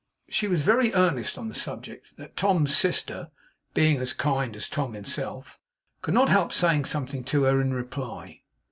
She was so very earnest on the subject, that Tom's sister (being as kind as Tom himself) could not help saying something to her in reply.